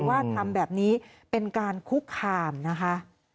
ว่าทำแบบนี้เป็นการคุกคามนะคะ